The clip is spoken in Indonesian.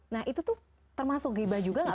nah itu tuh termasuk gibah juga gak